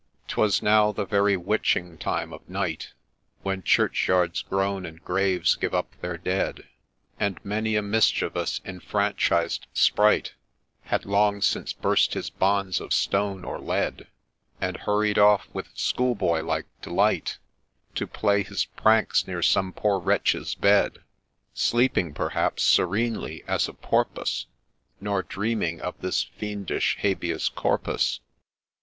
'Twas now the very witching time of night, When churchyards groan, and graves give up their dead, And many a mischievous, enfranchised Sprite, Had long since burst his bonds of stone or lead, And hurried off, with schoolboy like delight, To play his pranks near some poor wretch's bed, Sleeping perhaps serenely as a porpoise, Nor dreaming of this fiendish Habeas Corpus.